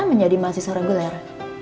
menjadi mahasiswa reguler